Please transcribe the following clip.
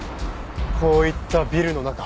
こういったビルの中。